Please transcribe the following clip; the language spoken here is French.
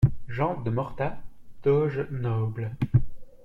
- Jean de Morta, doge noble.